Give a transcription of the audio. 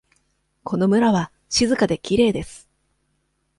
この村は静かできれいです。